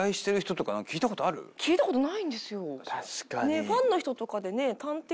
確かに。